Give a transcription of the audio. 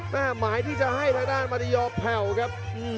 แม้หมายที่จะให้ต้านมาตี้ยอร์แผ่วครับ